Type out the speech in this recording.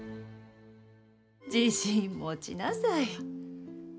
自信持ちなさい。